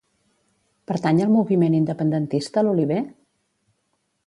Pertany al moviment independentista l'Oliver?